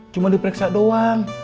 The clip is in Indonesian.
cuma diperiksa doang